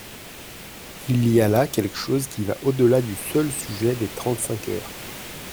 Il y a là quelque chose qui va au-delà du seul sujet des trente-cinq heures.